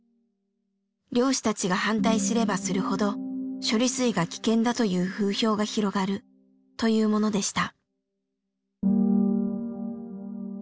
「漁師たちが反対すればするほど処理水が危険だという風評が広がる」というものでした。